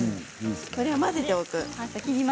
これを混ぜておく。